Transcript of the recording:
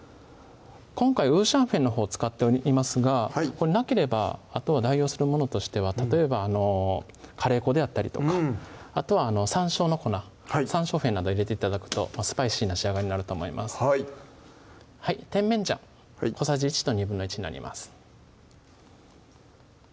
今回五香粉のほう使っていますがこれなければあとは代用するものとしては例えばカレー粉であったりとかあとはさんしょうの粉山椒粉など入れて頂くとスパイシーな仕上がりになると思います甜麺醤小さじ１と１／２になります